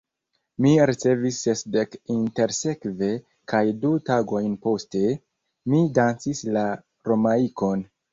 Mi ricevis sesdek intersekve, kaj du tagojn poste, mi dancis la Romaikon.